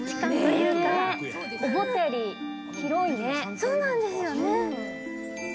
そうなんですよね。